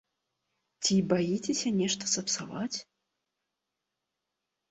Ці баіцеся нешта сапсаваць?